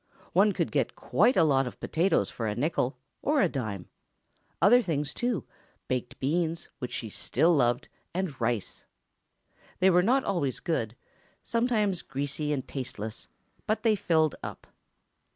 One could get quite a lot of potatoes for a nickel, or a dime; other things, too—baked beans, which she still loved, and rice. They were not always good—sometimes greasy and tasteless, but they filled up.